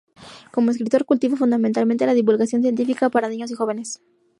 Como escritor, cultiva fundamentalmente la divulgación científica para niños y jóvenes.